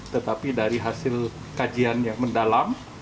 tetapi dari hasil kajian yang mendalam